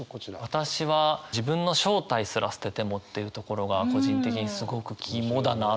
私は「自分の正体すら捨てても」っていうところが個人的にすごく肝だなと思っていて。